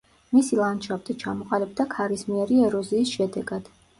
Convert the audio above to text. მისი ლანდშაფტი ჩამოყალიბდა ქარისმიერი ეროზიის შედეგად.